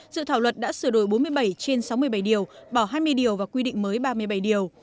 dự thảo luật đã sửa đổi bốn mươi bảy trên sáu mươi bảy điều bỏ hai mươi điều và quy định mới ba mươi bảy điều